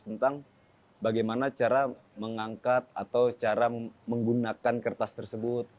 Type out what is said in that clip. tentang bagaimana cara mengangkat atau cara menggunakan kertas tersebut